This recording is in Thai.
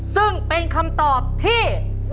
ซึ่งเป็นคำตอบที่